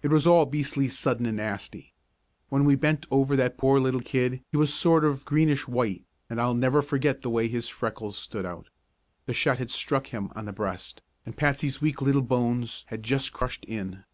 It was all beastly sudden and nasty. When we bent over that poor little kid he was sort of greenish white and I'll never forget the way his freckles stood out. The shot had struck him on the breast and Patsy's weak little bones had just crushed in.